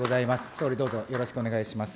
総理、どうぞよろしくお願いいたします。